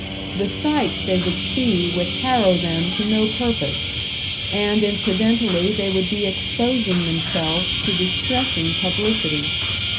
The sights they would see would harrow them to no purpose; and incidentally they would be exposing themselves to distressing publicity.